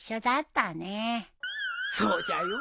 そうじゃよ。